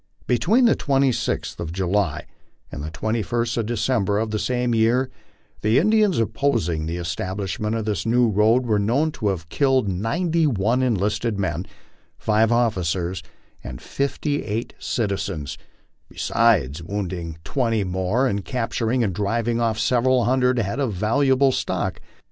Be tween the 26th of July and the 21st of December of the same year, the Indians opposing the establishment of this new road were known to have killed ninety one enlisted men, five officers, and fifty eight citizens, besides wounding twenty more and capturing and driving off several hundred head of valuable stock.